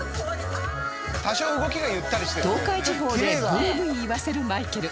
東海地方でブイブイ言わせるマイケル